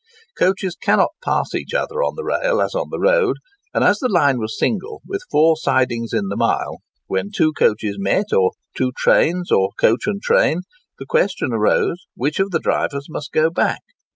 Coaches cannot pass each other on the rail as on the road; and, as the line was single, with four sidings in the mile, when two coaches met, or two trains, or coach and train, the question arose which of the drivers must go back?